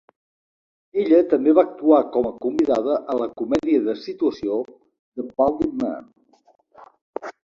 Ella també va actuar com a convidada a la comèdia de situació "The Baldy Man".